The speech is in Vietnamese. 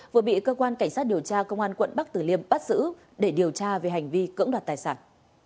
vừa bị cơ quan cảnh sát điều tra công an quận bắc tử liêm bắt giữ để điều tra về hành vi cưỡng đoạt tài sản